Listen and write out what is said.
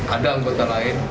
ada anggota lain